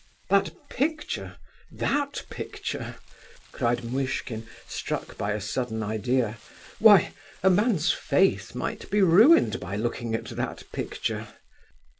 "That picture! That picture!" cried Muishkin, struck by a sudden idea. "Why, a man's faith might be ruined by looking at that picture!"